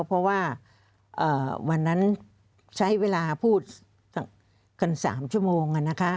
เพราะว่าวันนั้นใช้เวลาพูดกันสามชั่วโมงอะนะคะ